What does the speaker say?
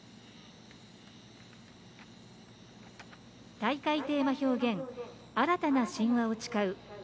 大会テーマ表現新たな神話を誓う。